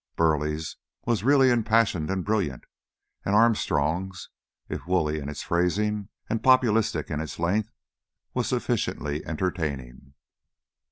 Burleigh's was really impassioned and brilliant; and Armstrong's, if woolly in its phrasing and Populistic in its length, was sufficiently entertaining.